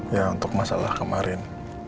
ya untuk masalah kemarin